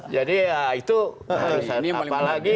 jadi itu harusnya apalagi